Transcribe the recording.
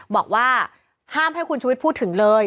บอกว่าห้ามให้คุณชุวิตพูดถึงเลย